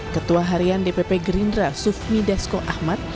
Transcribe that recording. ketua harian dpp gerindra sufmi dasko ahmad